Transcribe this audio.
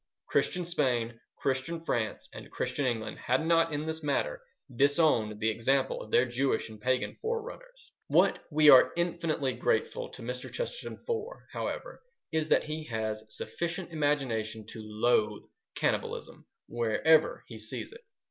Christian Spain, Christian France, and Christian England had not in this matter disowned the example of their Jewish and Pagan forerunners. What we are infinitely grateful to Mr. Chesterton for, however, is that he has sufficient imagination to loathe cannibalism wherever he sees it.